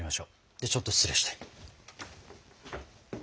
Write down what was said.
ではちょっと失礼して。